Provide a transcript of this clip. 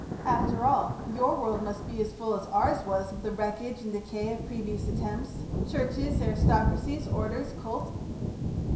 After all, your world must be as full as ours was of the wreckage and decay of previous attempts; churches, aristocracies, orders, cults...."